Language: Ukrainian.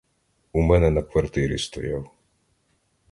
У мене на квартирі стояв.